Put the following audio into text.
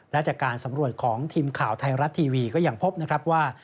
และจากการสำรวจของทีมข่าวไทยรัฐทีวีก็ยังพบนะครับว่า